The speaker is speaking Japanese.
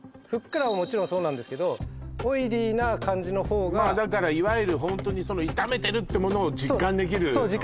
ふっくらももちろんそうなんですけどオイリーな感じの方がまあだからいわゆるホントにその炒めてるってものを実感できるのね